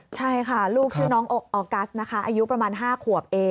ใช่ค่ะลูกชื่อน้องออกัสนะคะอายุประมาณ๕ขวบเอง